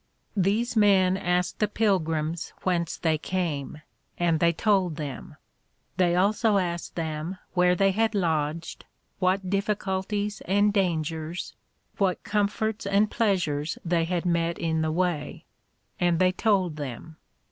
These men asked the Pilgrims whence they came? and they told them. They also asked them where they had lodged, what difficulties and dangers, what comforts and pleasures they had met in the way? and they told them.